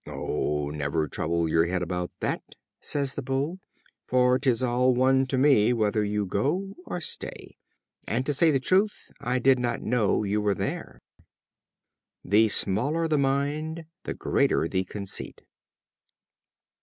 "Oh, never trouble your head about that," says the Bull, "for 'tis all one to me whether you go or stay; and, to say the truth, I did not know you were there." The smaller the Mind the greater the Conceit.